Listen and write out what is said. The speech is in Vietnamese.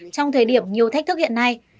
trong thời điểm nhiều thách thức hiện nay